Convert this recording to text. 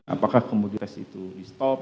apakah komoditas itu di stop